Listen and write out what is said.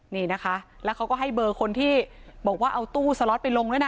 นี่นะคะแล้วเขาก็ให้เบอร์คนที่บอกว่าเอาตู้สล็อตไปลงด้วยนะ